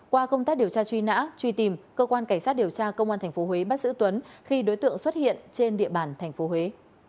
qua công tác điều tra truy nã truy tìm cơ quan cảnh sát điều tra công an tp huế bắt giữ tuấn khi đối tượng xuất hiện trên địa bàn tp huế